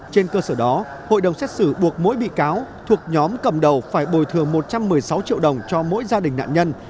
trên cơ sở đó hội đồng xét xử buộc mỗi bị cáo thuộc nhóm cầm đầu phải bồi thường một trăm một mươi sáu triệu đồng cho mỗi gia đình nạn nhân